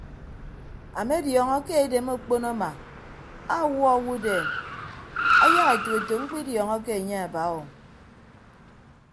Amediọñọ ke edem okpon ama awuọ owodeen ayak etәk etәk mkpịdiọñọke anye aba o.